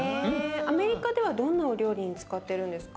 アメリカではどんなお料理に使ってるんですか？